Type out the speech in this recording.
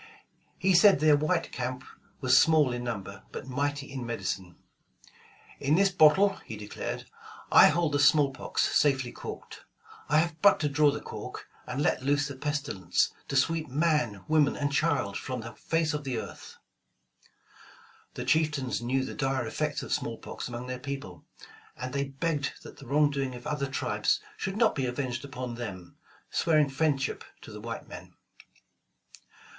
He said their white camp was small in number, but mighty in medicine, '*In this bottle,'' he declared, I hold the smallpox safely corked. I have but to draw the cork, and let loose the pestilence to sweep man. woman and child from the face of the earth." The chieftans knew the dire effects of smallpox among their people, and they begged that the wrong doing of other tribes should not be avenged upon them, swearing friendship to the white men.